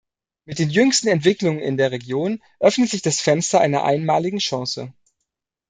Mit den jüngsten Entwicklungen in der Region öffnet sich das Fenster einer einmaligen Chance.